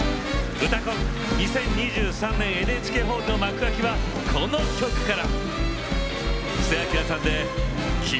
「うたコン」２０２３年ＮＨＫホールの幕開きはこの曲から。